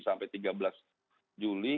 sampai tiga belas juli